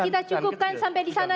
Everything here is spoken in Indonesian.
kita cukupkan sampai di sana